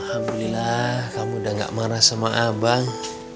alhamdulillah kamu udah gak marah sama abang